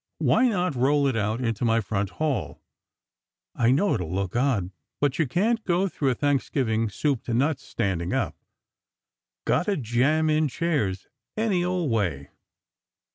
Why not roll it out into my front hall? I know it will look odd, but you can't go through a Thanksgiving 'soup to nuts' standing up. Got to jam in chairs, any old way!"